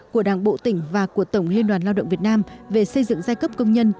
của đảng bộ tỉnh và của tổng liên đoàn lao động việt nam về xây dựng giai cấp công nhân